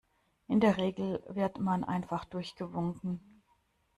In der Regel wird man einfach durchgewunken.